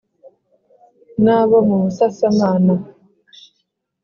nabo mu busasamana.